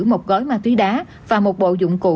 một gói ma túy đá và một bộ dụng cụ